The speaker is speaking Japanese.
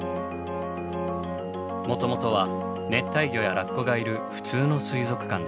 もともとは熱帯魚やラッコがいる普通の水族館でした。